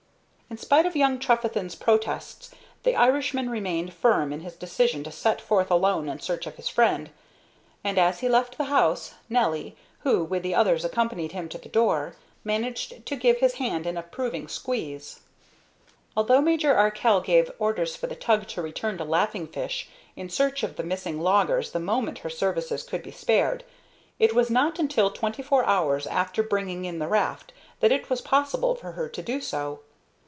In spite of young Trefethen's protests, the Irishman remained firm in his decision to set forth alone in search of his friend; and as he left the house Nelly, who with the others accompanied him to the door, managed to give his hand an approving squeeze. Although Major Arkell gave orders for the tug to return to Laughing Fish in search of the missing loggers the moment her services could be spared, it was not until twenty four hours after bringing in the raft that it was possible for her to do so.